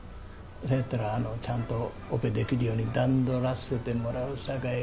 それやったらちゃんとオペ出来るように段取らせてもらうさかい。